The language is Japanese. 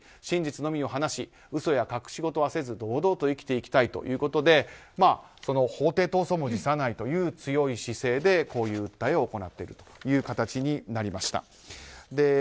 真実のみを話し嘘や隠し事はせず堂々と生きていきたいということで法廷闘争も辞さないという強い姿勢でこういう訴えを行っているという形になりました。